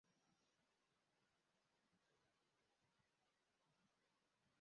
Abagore batanu bageze mu za bukuru bicaye bareba n'abasaza